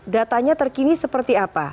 datanya terkini seperti apa